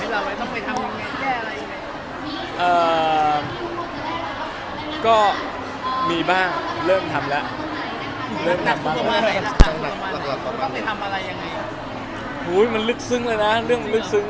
แล้วเราได้ทำตามที่เขาพักตามที่พี่พี่พักออกให้เราไว้ต้องไปทำอย่างไงแย่อะไรอีกไง